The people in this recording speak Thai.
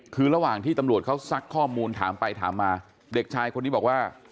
คือระหว่างที่ตำรวจเขาซักข้อมูลถามไปถามมาเด็กชายคนนี้บอกว่า